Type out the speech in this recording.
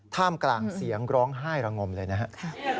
ท่ามกลางเสียงร้องไห้ระงมเลยนะครับ